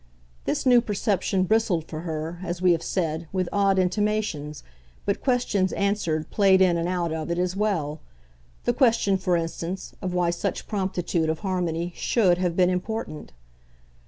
This new perception bristled for her, as we have said, with odd intimations, but questions unanswered played in and out of it as well the question, for instance, of why such promptitude of harmony SHOULD have been important.